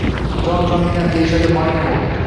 — Jonim, jonginam deyishadi, Moriko.